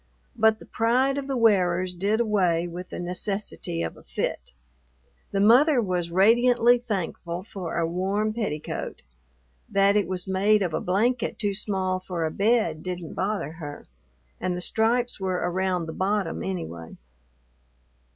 But the pride of the wearers did away with the necessity of a fit. The mother was radiantly thankful for a warm petticoat; that it was made of a blanket too small for a bed didn't bother her, and the stripes were around the bottom anyway.